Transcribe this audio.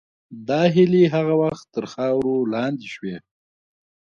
دا هیلې هغه وخت تر خاورې لاندې شوې.